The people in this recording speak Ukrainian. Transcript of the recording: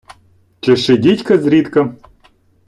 Чеши дідька зрідка.